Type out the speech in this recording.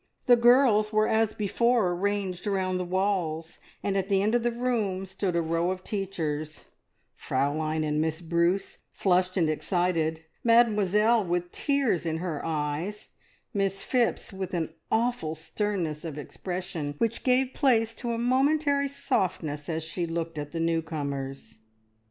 The girls were as before ranged round the walls, and at the end of the room stood a row of teachers; Fraulein and Miss Bruce flushed and excited, Mademoiselle with tears in her eyes, Miss Phipps with an awful sternness of expression, which gave place to a momentary softness as she looked at the new comers.